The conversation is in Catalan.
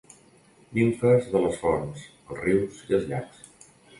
Nimfes de les fonts, els rius i els llacs.